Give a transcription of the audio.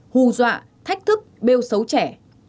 hù dọa thách thức bêu xấu trẻ